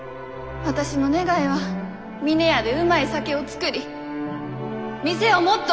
私の願いは峰屋でうまい酒を造り店をもっと大きゅうすること。